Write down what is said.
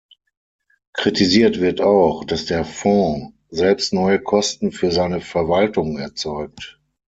Kritisiert wird auch, dass der Fonds selbst neue Kosten für seine Verwaltung erzeugt.